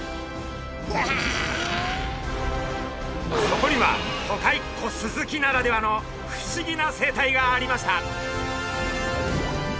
そこには都会っ子スズキならではの不思議な生態がありました！